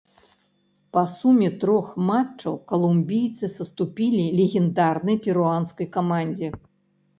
Па суме трох матчаў калумбійцы саступілі легендарнай перуанскай камандзе.